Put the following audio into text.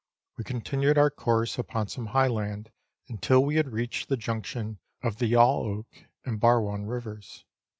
We continued our course upon some high land until we had reached the junction of the Yalloak and Barwon Rivers.